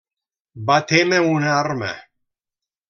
Van témer una arma.